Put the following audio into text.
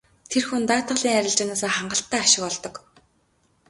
Тэр хүн даатгалын арилжаанаас хангалттай ашиг олдог.